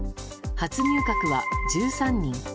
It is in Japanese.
初入閣は１３人。